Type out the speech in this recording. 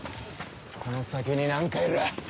この先に何かいる！